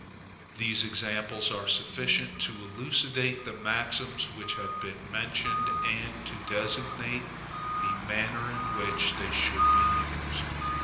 These examples are sufficient to elucidate the maxims which have been mentioned, and to designate the manner in which they should be used.